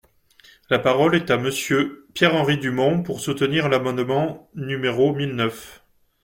La parole est à Monsieur Pierre-Henri Dumont, pour soutenir l’amendement numéro mille neuf.